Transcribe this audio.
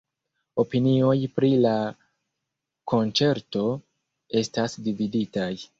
Opinioj pri la konĉerto estas dividitaj.